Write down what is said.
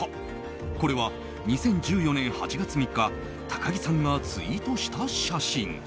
これは、２０１４年８月３日高木さんがツイートした写真。